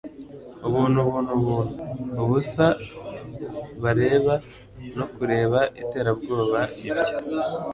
ubuntu, ubuntu, ubuntu! ubusa bareba no kureba iterabwoba ibyo